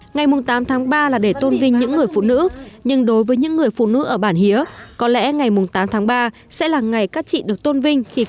ngày mùng tám tháng ba là để tôn vinh những người phụ nữ nhưng đối với những người phụ nữ ở bản hía có lẽ ngày mùng tám tháng ba sẽ là ngày các chị được tôn vinh khi có thể làm việc